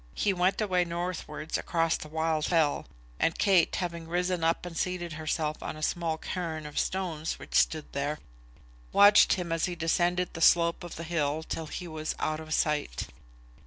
He went away northwards across the wild fell; and Kate, having risen up and seated herself on a small cairn of stones which stood there, watched him as he descended the slope of the hill till he was out of sight.